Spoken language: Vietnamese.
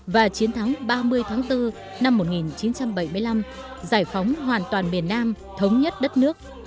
và chiến thắng ba mươi tháng bốn năm một nghìn chín trăm bảy mươi năm giải phóng hoàn toàn miền nam thống nhất đất nước